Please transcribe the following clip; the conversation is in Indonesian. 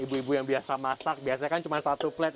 ibu ibu yang biasa masak biasanya kan cuma satu plet